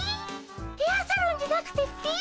ヘアサロンじゃなくてっピ？